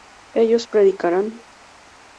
ellos predicarán